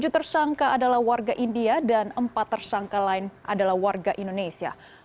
tujuh tersangka adalah warga india dan empat tersangka lain adalah warga indonesia